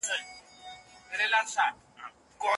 دا منابع خپله نسي منسجم کيدلای.